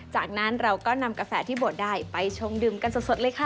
จากนั้นเราก็นำกาแฟที่บวชได้ไปชงดื่มกันสดเลยค่ะ